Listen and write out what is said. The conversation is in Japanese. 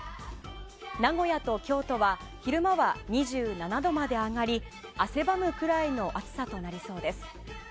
名古屋と京都は昼間は２７度まで上がり汗ばむくらいの暑さとなりそうです。